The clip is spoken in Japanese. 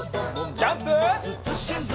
ジャンプ！